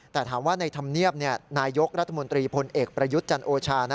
แต่ถามว่าในธรรมเนียบนายกรัฐมนตรีพลเอกประยุทธ์จันโอชา